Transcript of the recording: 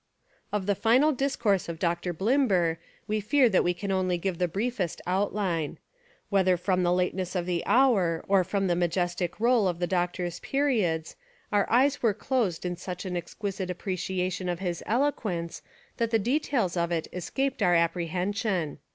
Of the final discourse of Dr. Bllmber we fear that we can only give the briefest outline. Whether from the lateness of the hour or from the majestic roll of the Doctor's periods, our eyes were closed in such an exquisite apprecia tion of his eloquence, that the details of It es caped our apprehension.